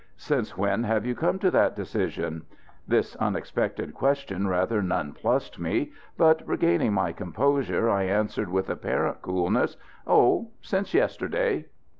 "Since when have you come to that decision?" This unexpected question rather nonplussed me, but regaining my composure I answered with apparent coolness: "Oh! since yesterday."